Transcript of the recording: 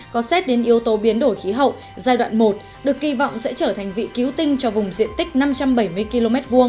có xét đến yếu tố biến đổi khí hậu giai đoạn một được kỳ vọng sẽ trở thành vị cứu tinh cho vùng diện tích năm trăm bảy mươi km hai